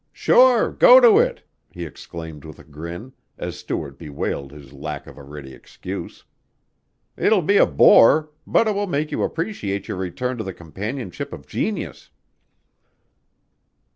"Sure, go to it," he exclaimed with a grin, as Stuart bewailed his lack of a ready excuse. "It'll be a bore, but it will make you appreciate your return to the companionship of genius."